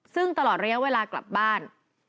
ซึ่งตลอดระยะเวลากลับบ้าน